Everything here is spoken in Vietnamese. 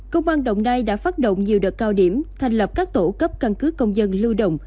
công an đồng nai đã phát động nhiều đợt cao điểm thành lập các tổ cấp căn cứ công dân lưu động